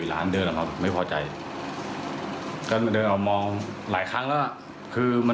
แล้วเขาก็นั่งหัวร้อนกับเพื่อนเขา